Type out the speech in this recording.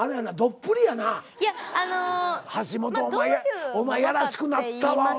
橋本お前やらしくなったわ。